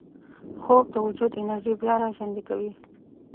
خوب د وجود انرژي بیا راژوندي کوي